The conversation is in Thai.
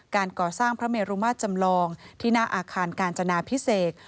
การก่อสร้างพระเมรุมาตรจำลองที่หน้าอาคารกาญจนาพิเศษ